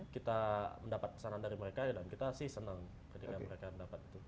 kita mendapat pesanan dari mereka dan kita sih senang ketika mereka mendapat itu